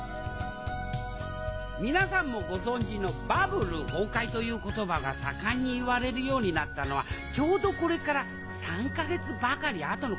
皆さんもご存じのバブル崩壊という言葉が盛んに言われるようになったのはちょうどこれから３か月ばかりあとのことであります